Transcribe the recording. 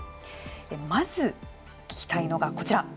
まず聞きたいのがこちら。